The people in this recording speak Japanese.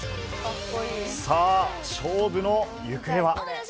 さあ、勝負の行方は？